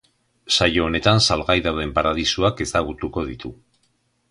Saio honetan salgai dauden paradisuak ezagutuko ditu.